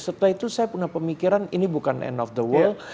setelah itu saya punya pemikiran ini bukan end of the world